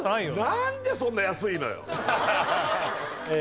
なんでそんな安いのよえ